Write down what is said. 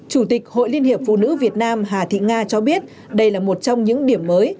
chủ tịch hội liên hiệp phụ nữ việt nam hà thị nga cho biết đây là một trong những điểm mới